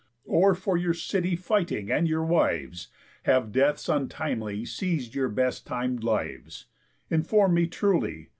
Or for your city fighting and your wives, Have deaths untimely seiz'd your best tim'd lives? Inform me truly.